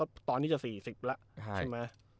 แล้วตอนนี้จะสี่สิบหล่ะใช่ไหม